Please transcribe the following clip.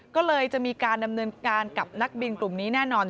ก็เลยจะมีการดำเนินการกับนักบินกลุ่มนี้แน่นอน